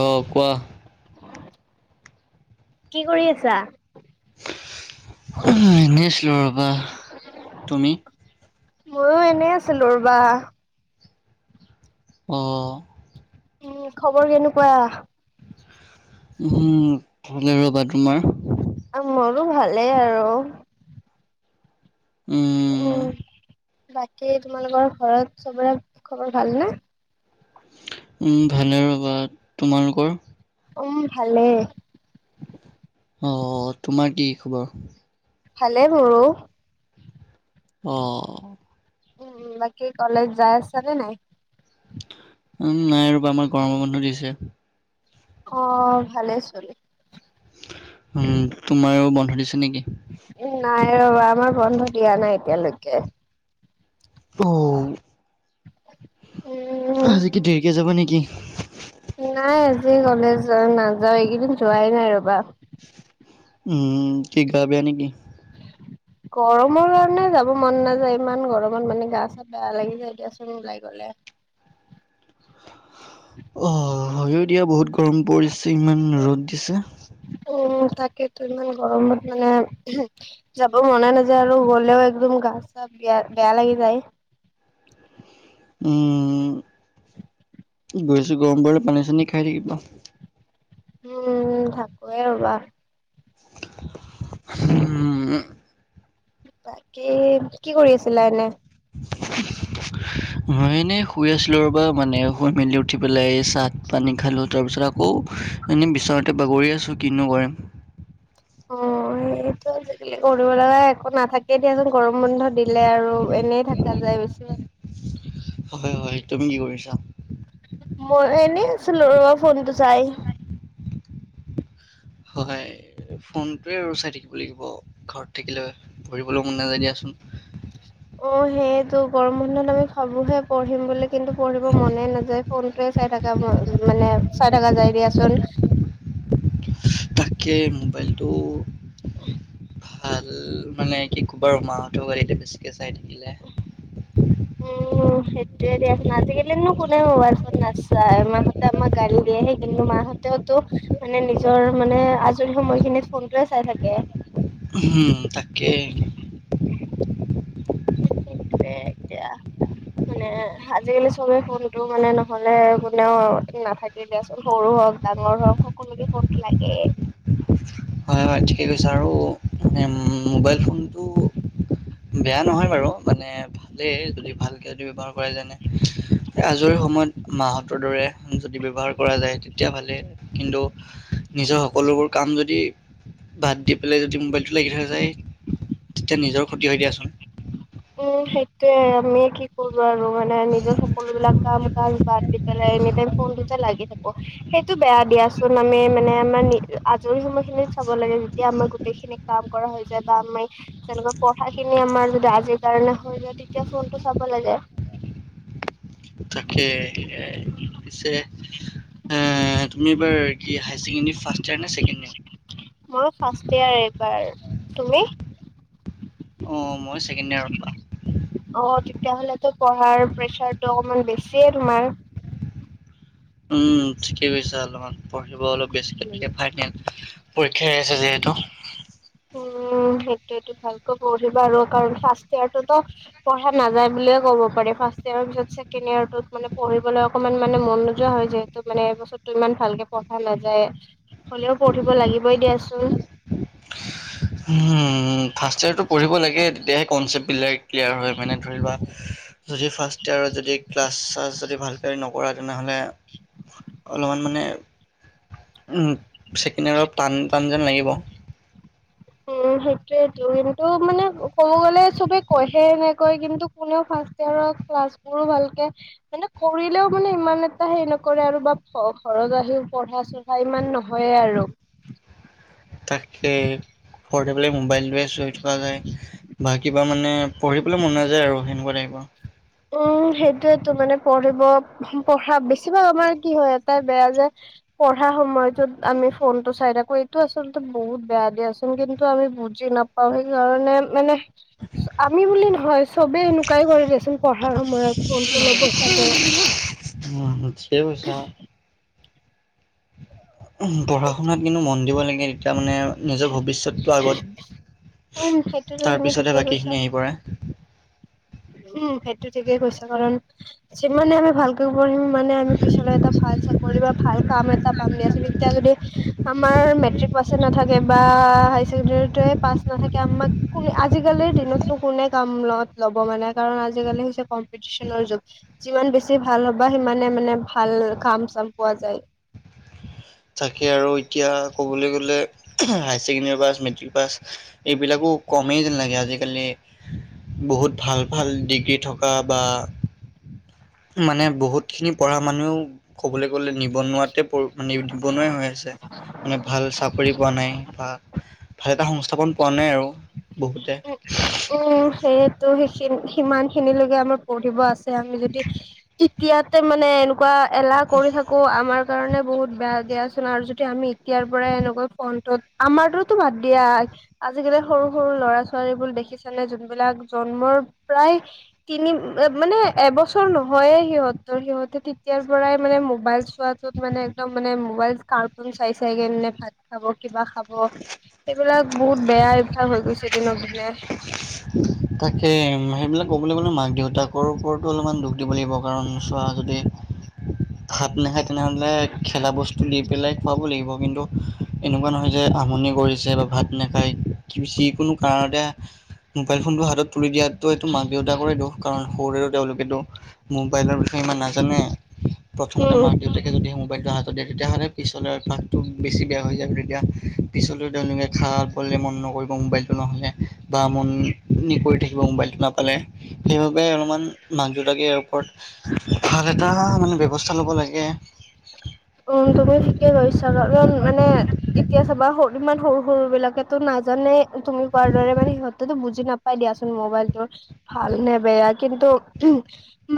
অ, কোৱা। কি কৰি আছা। এনে‌ আছিলো আৰু, ৰবা তুমি? ময়ো এনে আছিলো ৰ'বা। অ, উম, খবৰ কেনেকুৱা। উম, ভলে ৰবা তোমাৰ। মোৰো ভালেই আৰু। উম, বাকী তোমালোকৰ ঘৰত চবৰে খবৰ ভাল ন। উম, ভালে ৰবা তোমালোকৰ। উম, ভালে। অ, তোমাৰ কি খবৰ। ভাললে মোৰো। অ, উম, বাকি কলেজ যায় আছ চাল নাই। উম, নাই ৰবা আমাৰ গৰমৰ মানুহ দিছে। অ, ভালে চোন। উম, তোমাৰো বন্ধ দিছে। নেকি? নাই, ৰবা আমাৰ বন্ধ দিয়া নাই এতিয়ালৈকে। অ, উম। আজি কি, দেৰিকে যাব নেকি। নাই আজি কলেজত নাযাওঁ‌, এইকেইদিন যোৱাই নাই ৰ'বা। উম, কি গা বেয়া নেকি। গৰমৰ কাৰণে যাব মন নাযায়, ইমান গৰমত মানে গা, চা বেয়া লাগি যায় দিয়াচোন ওলাই গ'লে। অ, হয় দিয়া বহুত গৰম পৰিছে ইমান ৰ'দ দিছে। তাকেইটো ইমান গৰমত মানে উম, যাব মন নাযায় আৰু গ'লেও একদম গা চা বেয়া, বেয়া লাগি যায়। উম। বেছি গৰম পৰলে পানী-চানী খাই থাকিবা। উম, থাকোৱে ৰবা। উম। বাকী, কি কৰি আছিলা এনেই? [unintelligible] মই এনেই শুই আছিলোঁ ৰব। মানে শুই মেলি উঠি পেলাই চাট পানী খালোঁ তাৰপিছত আকৌ আকৌ এনেই বিচাৰোঁতে বাগৰি আছোঁ কিনো কৰিম। অহ, সেইটোৱে আজিকালি একো নাথাকে দিয়াচোনৰ। গৰমত সম্বন্ধ দিলে আৰু এনেই থাকা যায় বেছি। হয় হয় তুমি কি কৰিছা? মি এনেই আছিলোঁ ৰবা ফোনটো চাই। হয়, ফোনটোৱে আৰু চাই থাকিব লাগিব ঘৰত থাকিলে পঢ়িবলৈ মন নাযায় দিয়াচোন। [unintelligible] অহ, সেইটো গৰম বন্ধত আমি ভাবোহে পঢ়িম বুলি কিন্তু, পঢ়িব মনে নাযায় ফোনটোৱে চাই থকা যাব, মানে চাই থাকা যায় দিয়াচোন। তাকেই মোবাইলটো ভাল মানে কি কবা আৰু মাহঁতেও গালি দিয়ে বেছিকে চাই থাকিলে। উম সেইটোয়ে দিয়াচোন আজিকালিনো কোনে মোবাইল ফোন নাচায়, মাহঁতে আমাক গালি দিয়েহে কিন্তু মাহঁতেওতো মানে নিজৰ মানে আজৰি সময়খিনিত ফোনটোৱে চাই থাকে। উম, তাকে। এইটোৱে এতিয়া মানে আজিকালি চবেই ফোনটো মানে নহ'লে কোনেও নাথাকেই দিয়াচোন সৰু হওঁক ডাঙৰ ডাঙৰ হওঁক সকলোকে ফোনটো লাগেই। হয়, হয়। ঠিকে কৈছে আৰু মোবাইল ফোনটো বেয়া নহয় বাৰু মানে ভালেই, যদি ভালকে যদি ব্যৱহাৰ কৰা যেনে আজৰি আজৰি সময়ত মাহঁতৰ দৰে যদি ব্যৱহাৰ কৰা যায় তেতিয়া ভালে কিন্তু নিজৰ সকলোবোৰ কাম যদি বাদ দি পেলাই যদি মোবাইলটো লাগি থকা যায়, তেতিয়া নিজৰ ক্ষতি হয় দিয়াচোন। উম, সেইটোৱে আমি কি কৰোঁ আৰু। মানে নিজৰ সকলোবিলাক কাম-কাজ বাদ দি পেলাই এনিটাইম ফোনটোতে লাগি থাকোঁ সেইটো বেয়া দিয়াচোন, আমি মানে আমাৰ আজৰি সময়খিনিত চাব লাগে যেতিয়া আমাৰ গোটেইখিনি কাম কৰা হৈ যায় বা আমি তেনেকুৱা পঢ়াখিনি আমাৰ যদি আজ কাৰণে হৈ যায় তেতিয়া ফোনটো চাব লাগে। তাকেই এ পিছে তুমি এইবাৰ কি হায়াৰ ছেকেণ্ডেৰী ফাৰ্ষ্ট ইয়েৰ নে ছেকেণ্ড ইয়েৰ? মইয়ো ফাৰ্ষ্ট ইয়াৰ এইবাৰ। তুমি? অহ, মই ছেকেণ্ড ইয়াৰৰ অ' পা'। তেতিয়াহলেতো পঢ়াৰ প্ৰেচাৰতটো অকমান বেছিয়ে তোমাৰ। উম, ঠিকে কৈছা অলপমান পঢ়িব অলপ বেছিকে লাগে ফাইনেল পৰীক্ষা হৈ আছে যিহেতু। উম। সেইটোৱেইটো ভালকৈ পঢ়িবা আৰু কাৰণ ফাৰ্ষ্ট ইয়েৰটতো পঢ়া নাযায় বুলি ক'ব পাৰি ফাৰ্ষ্ট ইয়াৰ পিছত ছেকেণ্ডত ইয়াৰটোত মানে পঢ়িবলৈ অকণ মানে মন নোযোৱা হয়, যিহেতু মানে এই বছৰতটো ইমান ভালকে পঢ়ো কথা নাযায় হ'লেও পঢ়িব লাগিবই দিয়াচোন। উম, ফাৰ্ষ্ট ইয়েৰটো পঢ়িব লাগে তেতিয়াহে কনচেপ্টবিলাক ক্লিয়াৰ হয় মানে ধৰিবা, যদি ফাৰ্ষ্ট ইয়াৰত যদি ক্লাছ-চাছ যদি ভালকে নকৰা তেনেহ'লে অলপমান মানে উ ছেকেণ্ড ইয়াৰত টান-টান যেন লাগিব। উ সেইটোয়েটো, কিন্তু মানে ক'ব গ'লে চবে কয়হে এনেকৈ কিন্তু কোনেও ফাৰ্ষ্ট ইয়াৰ ক্লাছ বোৰো ভালকে মানে কৰিলেও মানে ইমান এটা হে নকৰে আৰু বা ঘৰ যায় পঢ়া-চঢ়া ইমান নহয়ই আৰু। তাকে। ঘৰতে বোলে মোবাইলটোৱে চোই থকা যায় বা কিবা মানে পঢ়িবলৈ মন নাযায় আৰু সেনেকুৱা টাইপ। [unintelligible] উম্ সেইটোয়োটো মানে পঢ়িব, পঢ়া বেছিভাগ আমাৰ কি হয় এটাই বেয়া যে পঢ়া সময়টোত আমি ফোন টো চাই থাকো, এইটো আচলতে বহুত বেয়া দিয়াচোন কিন্তু আমি বুজি নাপাও, সেইকাৰণে মানে আমি বুলি নহয় চবে এনেকুৱাই কৰি দিয়চোন পঢ়াৰ সময়ত ফোনটো ল'ব চাব। দিয়া চোন চাও হোম, পঢ়া সেইটো শুনাত কিন্তু মন দিব লাগে, তেতিয়া মানে নিজৰ ভৱিষ্যতটো উম আগত। সেইটোতো তুমি তাৰপিছত হে ঠিকে কৈছা বাকীখিনি আহি পৰে। উম সেইটো ঠিকেই কৈছ কাৰণ যিমানে আমি ভালকে পঢ়িম মানে আমি পিছলে এটা ভাল চাকৰি বা ভাল কাম এটা পাম দিয়াছোন। এতিয়া যদি আমাৰ মেট্ৰিক পাছে নাথাকে বা হাই চেকেণ্ডেৰীটোৱে পাছ নাথাকে, আমাক আজি কালিৰ দিনতনো কোনে কাম ল'ব। মানে, কাৰণ আজি কালি কম্পিটিচনৰ যোগ, যিমান বেছি ভাল হ'বা সিমানে মানে ভাল কাম-চাম পোৱা যায়। তাকে আৰু এতিয়া ক'বলৈ গ'লে হাইছেকেণ্ডেৰী পাছ, মেট্ৰিক পাছ এইবিলাকো কমেই যেন লাগে আজিকালি বহুত ভাল ভাল ডিগ্ৰী থকা বা মানে বহুত খিনি পঢ়া মানুহেও ক'বলৈ গ'লে নিবনুৱাত নিবনুৱাই হৈ আছে। মানে ভাল চাকৰি পোৱা নাই বা ভাল এটা সং স্থাপন পোৱা নাই আৰু বহুতে। ত সেইখিনি, সিমান খিনিলৈকে আমাৰ পঢ়িব আছে, আমি যদি তেতিয়াতে মানে এনেকুৱা এলাহ কৰি থাকো আমাৰ কাৰণে বহুত বেয়া গেছ আৰু যদি আমি এতিয়াৰ পৰাই এনেকুৱা ফ্ৰন্টত, আমাৰতোতো বাদ দিয়া আজিকালি সৰু সৰু ল'ৰা ছোৱালী ছাৱালীবোৰ দেখিছানে যোনবিলাক জন্মৰ প্ৰায় তিনি মানে এবছৰ নহয় হয়য়ে সিহঁতৰ, সিহঁতে তেতিয়াৰ পৰাই মানে মোবাইল চোৱাটোত মানে একদম মানে মোবাইল কাৰ্টু চাই চাই কেনে ভাত খাব। কিবা খাব এইবিলাক বহুত বেয়া অভ্যাস হৈ গৈছে দিনক দিনে। তাকে সেইবিলাক ক'বলৈ গ'লে, মাক দেউতাকৰ ওপৰতো অলপমান দুখ দিব লাগিব। কাৰণ চোৱা মাজ--তে উ ভাত নাখায়, তেনেহ'লে খেলা বস্তু দি পেলাই। খোৱাব লাগিব, কিন্তু এনেকুৱা নহয় যে আমনি কৰিছে বা ভাত নাখায় যিকোনো কাৰ মোবাইল ফোন টো হাতত তুলি দিয়াতটো এইটো মাক দেউতাকৰে দুখ। কাৰণ সৰুতে তেওঁলোকেটো মোবাইলৰ বিষয়ে ইমান নাজানে, প্ৰথমতে উম মাক দেউতাকে যদি মোবাইলটো হাতত দিয়ে, তেতিয়াহ'লে পিছলে অভ্যাসটো বেছি বেয়া হৈ যায়। তেতিয়া পিছত তেওঁলোকে খা খাবলে মন নকৰিব মোবাইলটো নহ'লে বা মন মাৰি থাকিব মোবাইল টো নাপালে সেইবাবে। সেইবাবে মাক দেউতাকে ইয়াৰ ওপৰত ভাল এটা মানে ব্যৱস্থা ল'ব লাগে। উম্, তুমি হয় ঠিকে কৈছাঁ, কাৰণ মানে- এতিয়া চাবাচোন, ইমান সৰু সৰু বিলাকেতো নাজানে তুমি কোৱাৰ দৰে মানে সিহঁতেো বুজি নাপাই দিয়াচোন। মোবাইলটো ভাল নে বেয়া, কিন্তু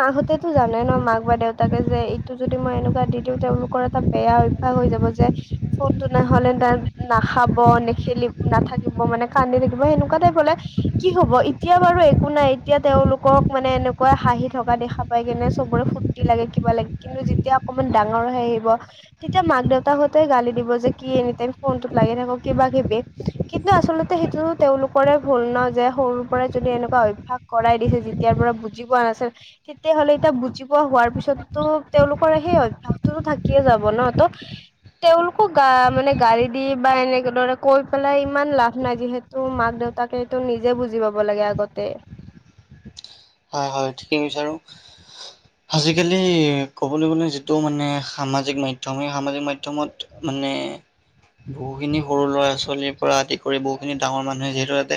মাকহঁতেতো জানে ন, মাক বা দেউতাকে যে এইটো যদি মই এনেকুৱা দি দিওঁ তেওঁলোক কৰ এটা বেয়া অভ্যাস হৈ যাব, যে ফোনটো নহ'লে তাত নাখাব, নেখেলিব, নাথ থাকিব মানে কান্দি থাকিব, সেনেকুৱা টাইপ হ'লে কি হব এতিয়া বাৰু একো নাই এতিয়া তেওঁলোকক মানে, এনেকুৱা হাঁহি থকা দেখা পাই কেনে চবৰে ফুৰৰ্তি লাগে, কিবা লাগে, কিন্তু যেতিয়া অকমান ডাঙৰ হৈ আহিব। তেতিয়া মাক দেউতাকহঁতে গালি দিব যে কি এনিটাইম ফোনটোত লাগি থাক। কিবা কিবি কিন্তু আচলতে সেইটো তেওঁলোকৰে ভুল ন, যে সৰুৰ পৰাই যদি এনেকুৱা অভ্যাস কৰাই দিছে যেতিয়াৰ পৰা। বুজি পোৱা নাছিল। তেতিয়াহ'লে এতিয়া বুজি পোৱা হোৱাৰ পিছততো তেওঁলোকৰ সেই অভ্যাসটোতো থাক থাকিয়ে যাব ন ত'ত। তেওঁলোকো গা মানে গাড়ী দি বা এনেকে দৰে কৈ পেলাই ইমান লাভ নাই যিহেতু মাক দেউ মাক দেউতাকেটো নিজে বুজি পাব লাগে আগতে। হয়, হয় ঠিকেই বিচাৰোঁ। আজিকালি ক'বলৈ গ'লে যিটো মানে সামাজিক মাধ্যম এই সামাজিক মাধ্যমত মানে বহুখিনি সৰু ল'ৰা ছোৱালীৰ পৰা আদি কৰি বহুখিনি ডাঙৰ মানুহে যিহেতু ইয়াতে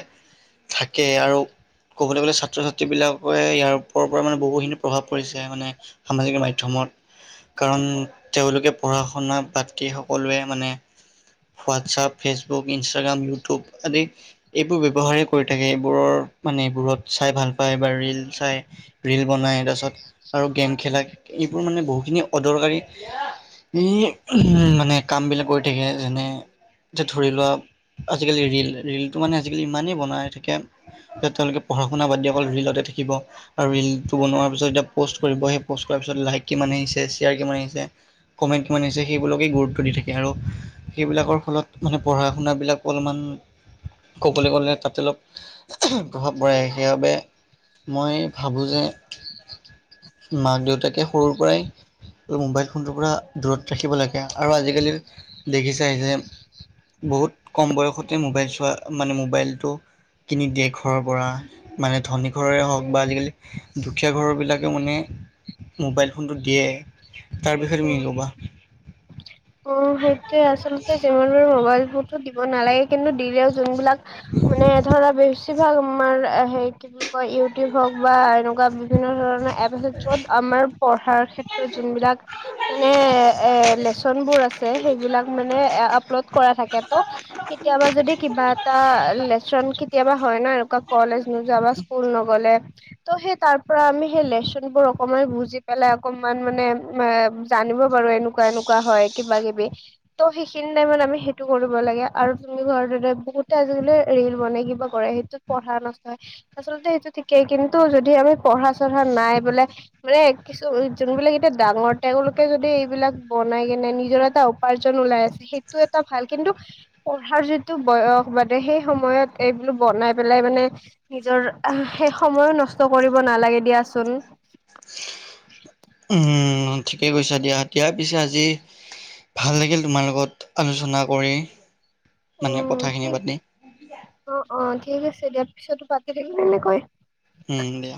থাকে। আৰু ক'বলৈ গ'লে ছাত্ৰ ছাত্ৰী বিলাক ইয়াৰ ওপৰ পৰা মানে বহুখিনি প্ৰভাৱ পৰিছে মানে সামাজিক মাধ্যমত। কাৰণ তেওঁলোকে পঢ়া শুনা বাত দি সকলোৱে মানে হোৱাটছাপ ফেচবুক ইনষ্টাগ্ৰাম ইউটিউব আদি এইবোৰ ব্যৱহাৰেই কৰি থাকে। এইবোৰৰ মানে এইবোৰত চাই ভাল পায় বা ৰিল ৰিল চাই, ৰিল বনাই তাৰপাছত আৰু গেম খেলাক এইবোৰ মানে বহুখিনি অদৰকাৰী এই উ মানে কাম বিলাক কৰি থাকে যেনে যে ধৰি লোৱা আজিকালি ৰিল ৰিলটো মানে আজিকালি ইমানেই বনাই থাকে যে তেওঁলোকে পঢ়া শুনা বাদ দি অকল‌ ৰিলতে থাকে। শিকিব আৰু ৰিলটো বনোৱা পাছত এতিয়া পোষ্ট কৰিব, এই পোষ্ট কৰা পিছত লাহেকে মানে এ চিয়াৰ কি মাৰিছে। কমেণ্ট কিমান হৈছে, সেইবোৰকেই গুৰুত্ব দি থাকে আৰু সেইবিলাকৰ ফলত মানে পঢ়া শুনাবিলাক অলপমান কবলৈ গ'লে তাতে অলপ প্ৰভাৱ পৰে সেইবাবে মই ভাবোঁ যে মাক দেউতাকে সৰুৰ পৰাই মোবাইল ফোনটোৰ পৰা দূৰত ৰাখিব লাগে। আৰু আজিকালি দেখিছাই যে বহুত কম বয়সতে মোবাইল চোৱা মানে মোবাইলটো কিনি দিয়ে ঘৰৰ পৰা মানে ধনী ঘৰৰে উম হওক বা আজিকালি দুখীয়া ঘৰবিলাকেও মানে মোবাইল ফোনটো দিয়ে। তাৰপিছত উম মিল'বা। অ' সেইটোয়ে আচলতে যিমান পাৰে মবাইল ফ দিব নালাগে কিন্তু দিলেও যোনবিলাক মানে ধৰা বেছিভাগ আমাৰ সেই কি ক ইউটিউব হওক বা এনেকুৱা বিভিন্ন ধৰণৰ এপ আছে য'ত আমাৰ পঢ়াৰ ক্ষেত্ৰত যোনবিলাক মানে ল [unintelligible] ভোল বো আছে। সেইবিলাক মানে আপলোড কৰা থাকে ত' কেতিয়াবা যদি কিবা এটা লেচন কেতিয়াবা হয় ন, এনেকুৱা কলেজ নোযোৱা বা স্কুল নগ'লে। ত' সেই তাৰ পৰা আমি সেই লেচন বো অকমান বুজি পেলাই অকমান মানে জানিব পাৰো এনেকুৱা এনেকুৱা কোৱা হয় কিবা কিবি ত' সেইখিনি টাইমত আমি সেইটো কৰিব লাগে আৰু তুমি ঘৰ যোৱা বহুত ঠাই ৰিয়েলি এৰি দিব লাগিব পঢ়া সেইটো পঢ়া নষ্ট হয় আচলতে সেইটো ঠিকেই কিন্তু যদি আমি পঢ়া পঢ়া নাই বোলে মানে কিছু যোনবিলাক এতিয়া ডাঙৰ তেওঁলোকে যদি এইবিলাক বনাই কেনে নিজৰ এটা উপাৰ্জন ওলাই আছে সেইটো এটা ভাল কিন্তু, পঢ়াৰ যিটো বয়স বাদে সেই সময়ত এইবলো বনাই পেলাই মানে নিজৰ সেই সময়ো নষ্ট কৰিব ন নালাগে দিয়াচোন। উম, ঠিকেই কৈছা দিয়া দিয়া পিছে আজি ভাল লাগিল তোমাৰ লগত আলোচনা কৰি। মানে উম কথাখিনি ঠিক পাতি অ অ ঠিক আছে দিয়াৰ পিছতো পাতি থাকিল তেনেকৈ। উম, দিয়া।